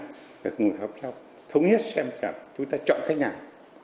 phải ngồi ngọc nhau thống nhất xem là chúng ta chọn cách nào